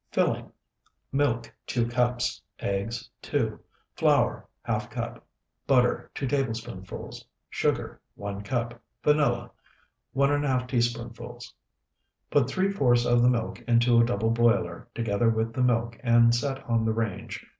Filling: Milk, 2 cups. Eggs, 2. Flour, ½ cup. Butter, 2 tablespoonfuls. Sugar, 1 cup. Vanilla, 1½ teaspoonfuls. Put three fourths of the milk into a double boiler, together with the milk, and set on the range.